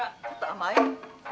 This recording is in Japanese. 甘い。